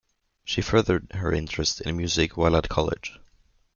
She furthered her interest in music while at college.